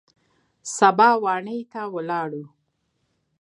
سبا واڼې ته ولاړو.